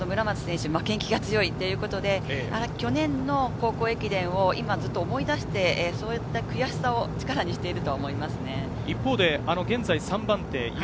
また、村松選手は負けん気が強いということで、去年の高校駅伝を今ずっと思い出して、そういった悔しさを力にしていると思います。